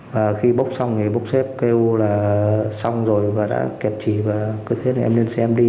và khi bốc xong thì bốc xếp kêu là xong rồi và đã kẹp chỉ và cứ thế em lên xe em đi